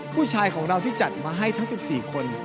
ผู้ชายของเราที่จัดมาให้ทั้ง๑๔คน